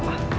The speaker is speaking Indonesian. apa yang ada